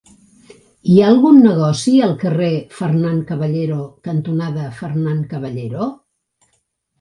Hi ha algun negoci al carrer Fernán Caballero cantonada Fernán Caballero?